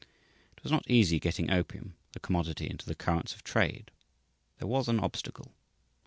It was not easy getting opium, the commodity, into the currents of trade. There was an obstacle.